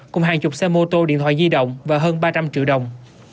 cùng hàng chục xe mô tô điện thoại di động và hơn ba trăm linh triệu đồng